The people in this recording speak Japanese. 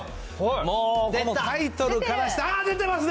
もう、このタイトルからして。ああ、出てますね。